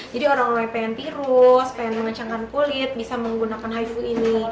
jadi orang orang yang pengen tirus pengen mengencangkan kulit bisa menggunakan hifu ini